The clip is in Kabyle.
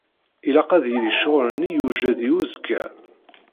Ilaq ad yili ccɣel-nni yujed i uzekka.